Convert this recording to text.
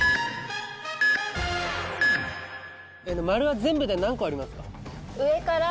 丸は全部で何個ありますか？